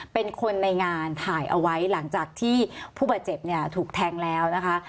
เป็นคนในงานถ่ายเอาไว้หลังจากที่ผู้บาดเจ็บเนี่ยถูกแทงแล้วนะคะ